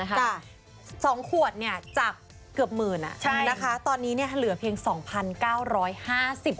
กลัว๒ขวดจากเกือบหมื่นตอนนี้เหลือเพียง๒๙๕๐ขวดบาท